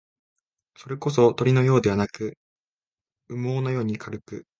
それこそ、鳥のようではなく、羽毛のように軽く、